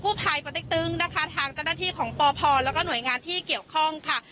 ภัยปติ๊กตึงนะคะทางเจ้าหน้าที่ของปพแล้วก็หน่วยงานที่เกี่ยวข้องค่ะ